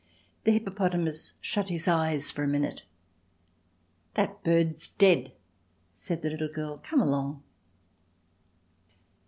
The hippopotamus shut his eyes for a minute. "That bird's dead," said the little girl; "come along."